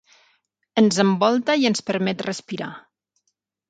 Ens envolta i ens permet respirar.